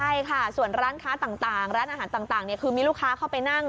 ใช่ค่ะส่วนร้านค้าต่างร้านอาหารต่างคือมีลูกค้าเข้าไปนั่ง